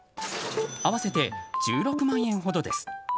合わせて１６万円ほどです。